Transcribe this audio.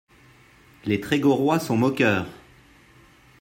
Les Trégorois sont moqueurs.